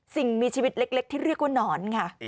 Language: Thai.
สิ่งมีชีวิตเล็กว่านอน